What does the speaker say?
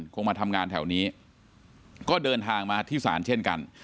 คงมาทำงานแถวนี้ก็เดินทางมาที่ศาลเช่นกัน